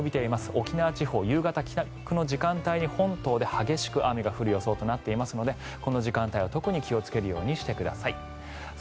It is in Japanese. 沖縄地方夕方、帰宅の時間帯に本島で激しく雨が降る予想となっていますのでこの時間帯は特に気をつけるようにしてください。